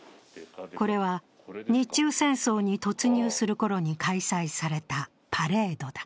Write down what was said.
これは日中戦争に突入するころに開催されたパレードだ。